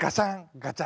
ガチャ！